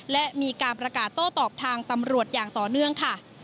และมีการประกาศโต้ตอบทางตำรวจอย่างต่อเนื่องค่ะ